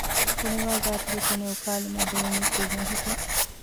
ކުނިވާޒާތުގެ ކުނިއުކާލުމަށް ދޯންޏެއް ކުއްޔަށް ހިފުން